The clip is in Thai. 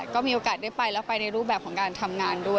ก็มีโอกาสได้ไปแล้วไปในรูปแบบของการทำงานด้วย